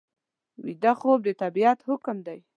ویده خوب د طبیعت حکم دی